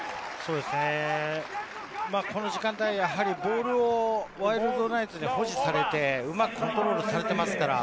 この時間帯、ボールをワイルドナイツに保持されて、うまくコントロールされていますから。